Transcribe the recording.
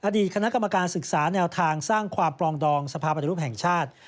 อดีตคณะกรรมการศึกษาแนวทางสร้างความปลองดองสภาพปฏิรูปแห่งชาติ